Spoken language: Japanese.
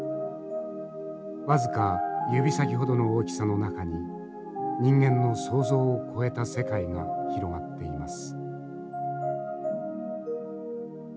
僅か指先ほどの大きさの中に人間の想像を超えた世界が広がっています。